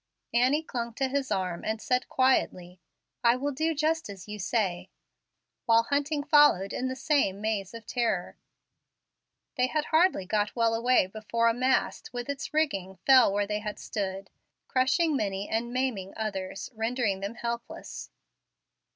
Annie clung to his arm and said, quietly, "I will do just as you say," while Hunting followed in the same maze of terror. They had hardly got well away before a mast, with its rigging, fell where they had stood, crushing many and maiming others, rendering them helpless.